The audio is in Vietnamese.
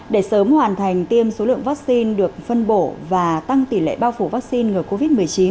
để sớm hoàn thành tiêm số lượng vaccine được phân bổ và tăng tỷ lệ bao phủ vaccine ngừa covid một mươi chín